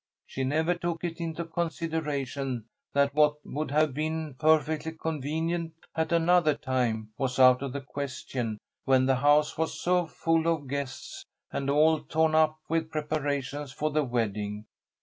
She never took it into consideration that what would have been perfectly convenient at another time was out of the question when the house was so full of guests and all torn up with preparations for the wedding.